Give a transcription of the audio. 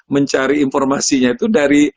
mencari informasinya itu dari